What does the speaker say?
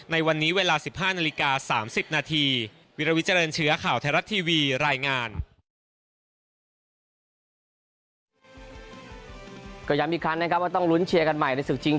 ในวันนี้เวลา๑๕นาฬิกา๓๐นาที